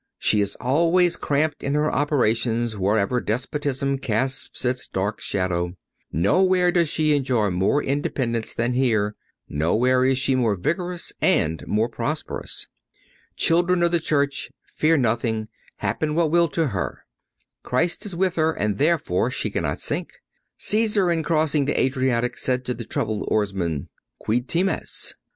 She is always cramped in her operations wherever despotism casts its dark shadow. Nowhere does she enjoy more independence than here; nowhere is she more vigorous and more prosperous. Children of the Church, fear nothing, happen what will to her. Christ is with her and therefore she cannot sink. Cæsar, in crossing the Adriatic, said to the troubled oarsman: "Quid times?